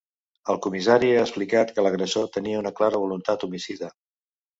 El comissari ha explicat que l’agressor tenia ‘una clara voluntat homicida’.